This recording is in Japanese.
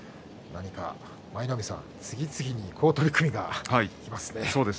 何か舞の海さん、次々に好取組が来ますね。